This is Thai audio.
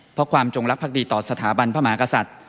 เพราะความจงรักภักดีต่อสถาบันพระมหากษัตริย์